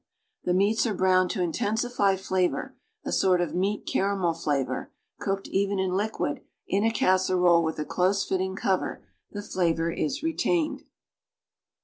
The meats are browned to intensify flavor, a sort of meat caramel flavor; cooked even in liquid, in a casserole with a close fitting co^•er the flavor is retained.